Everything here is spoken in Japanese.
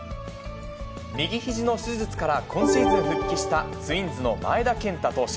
右ひじの手術から今シーズン復帰したツインズの前田健太投手。